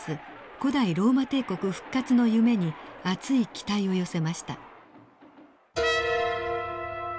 古代ローマ帝国復活の夢に熱い期待を寄せました。